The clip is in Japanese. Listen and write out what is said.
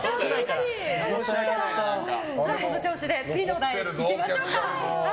この調子で次のお題いきましょうか。